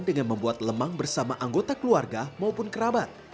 dengan membuat lemang bersama anggota keluarga maupun kerabat